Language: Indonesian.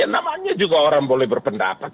namanya juga orang boleh berpendapat